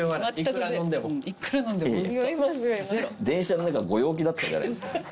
電車の中ご陽気だったじゃないですか。